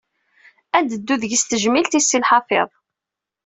Ad d-teddu deg-s tejmilt i Si Lḥafiḍ.